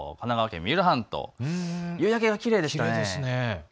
きょうの神奈川県の三浦半島夕焼けがきれいですね。